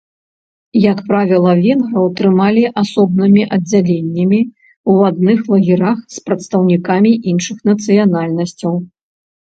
Як правіла венграў трымалі асобнымі аддзяленнямі ў адных лагерах з прадстаўнікамі іншых нацыянальнасцяў.